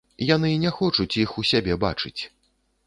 Яны не хочуць іх у сябе бачыць.